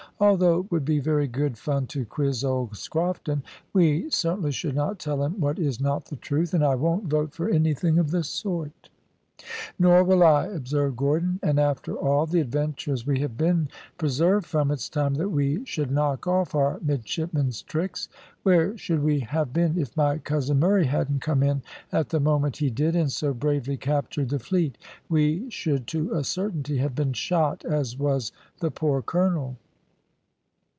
"Although it would be very good fun to quiz old Scrofton, we certainly should not tell him what is not the truth, and I won't vote for anything of the sort." "Nor will I," observed Gordon, "and after all the adventures we have been preserved from, it's time that we should knock off our midshipmen's tricks. Where should we have been if my cousin Murray hadn't come in at the moment he did, and so bravely captured the fleet? We should to a certainty have been shot, as was the poor colonel."